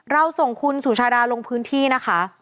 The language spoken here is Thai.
เราส่งคุณสุชาดาลงพื้นที่นะคะ